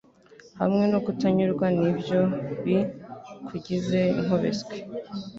hamwe no kutanyurwa ni byo bi kugize inkubiskwi